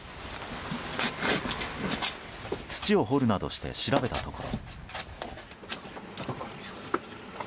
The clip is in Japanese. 土を掘るなどして調べたところ。